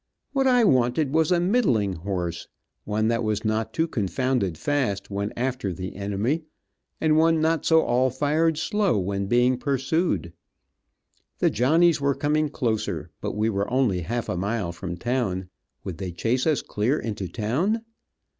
What I wanted was a 'middling' horse, one that was not too confounded fast when after the enemy, and one not so all fired slow when being pursued. The Johnnies were coming closer, but we were only half a mile from town. Would they chase us clear into town?